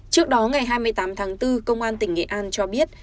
trước đó ngày hai mươi tám tháng bốn công an tỉnh nghệ an cho biết